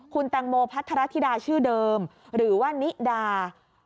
คุณแตงโมพัทรธิดาชื่อเดิมหรือว่านิดา